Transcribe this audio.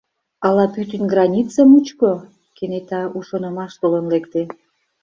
Ала пӱтынь граница мучко?» — кенета у шонымаш толын лекте.